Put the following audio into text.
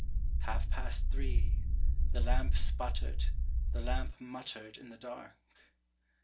Half past three, The lamp sputtered, The lamp muttered in the dark.